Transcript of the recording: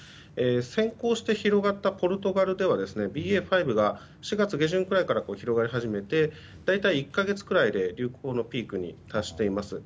先行して広がったポルトガルではＢＡ．５が、４月下旬ぐらいから広がり始めて大体１か月くらいで流行のピークに達しています。